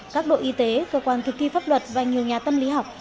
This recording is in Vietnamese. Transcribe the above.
các đội y tế cơ quan thực thi pháp luật và nhiều nhà tâm lý học